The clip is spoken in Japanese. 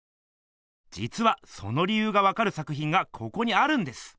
じつはその理ゆうがわかる作ひんがここにあるんです。